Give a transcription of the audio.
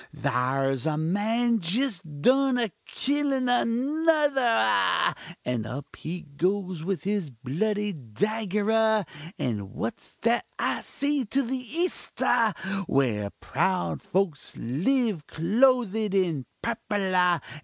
thar's a man jist done a killin ah another ah! and up he goes with his bloody dagger ah! And what's that I see to the East ah! where proud folks live clothed in purple ah!